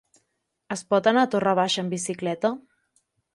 Es pot anar a Torre Baixa amb bicicleta?